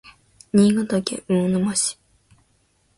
新潟県魚沼市